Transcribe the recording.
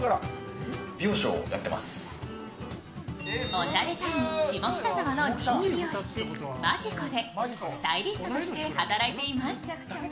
おしゃれタウン、下北沢の人気美容室、Ｍａｇｉｃｏでスタイリストとして働いています。